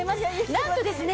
なんとですね